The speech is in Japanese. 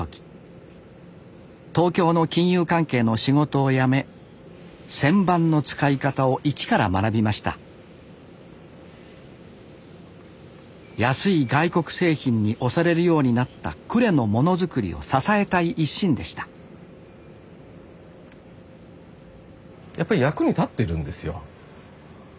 東京の金融関係の仕事を辞め旋盤の使い方を一から学びました安い外国製品に押されるようになった呉のモノづくりを支えたい一心でしたやっぱり役に立ってるんですよ。